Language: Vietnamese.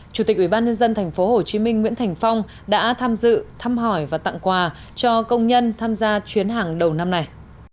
chủ tịch ubnd tp hcm nguyễn thành phong đã tham dự thăm hỏi và tặng quà cho công nhân tham gia chuyến hàng đầu năm này